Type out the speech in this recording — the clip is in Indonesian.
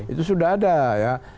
itu sudah ada ya